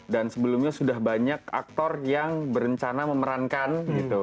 dan sebelumnya sudah banyak aktor yang berencana memerankan gitu